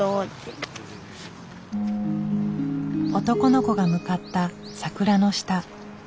男の子が向かった桜の下。